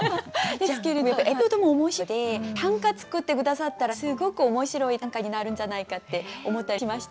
ですけれどもエピソードも面白いので短歌作って下さったらすごく面白い短歌になるんじゃないかって思ったりしました。